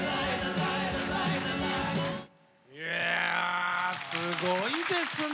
いやあすごいですね